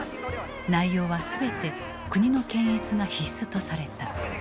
内容は全て国の検閲が必須とされた。